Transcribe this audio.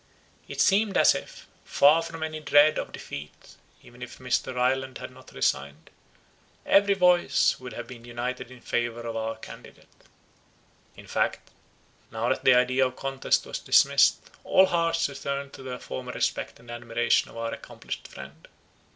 It seemed as if, far from any dread of defeat even if Mr. Ryland had not resigned, every voice would have been united in favour of our candidate. In fact, now that the idea of contest was dismissed, all hearts returned to their former respect and admiration of our accomplished friend.